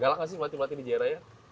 galak gak sih mati mati di jaya raya